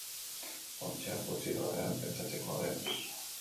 Ontziak hutsik daudenean, pentsatzekoa denez.